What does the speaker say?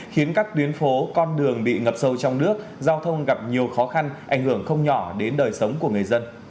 khiến các tuyến phố con đường bị ngập sâu trong nước giao thông gặp nhiều khó khăn ảnh hưởng không nhỏ đến đời sống của người dân